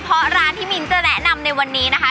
เพราะร้านที่มิ้นจะแนะนำในวันนี้นะคะ